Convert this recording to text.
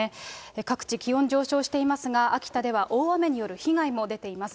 各地、気温上昇していますが、秋田では大雨による被害も出ています。